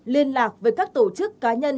liên lạc với các tổ chức cá nhân